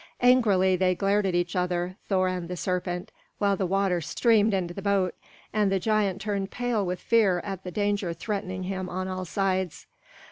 Angrily they glared at each other, Thor and the serpent, while the water streamed into the boat, and the giant turned pale with fear at the danger threatening him on all sides.